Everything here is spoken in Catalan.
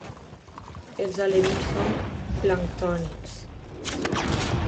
Els alevins són planctònics.